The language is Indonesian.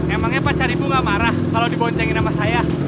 emangnya pacar ibu gak marah kalau diboncengin sama saya